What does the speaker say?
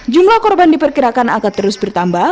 jumlah korban diperkirakan akan terus bertambah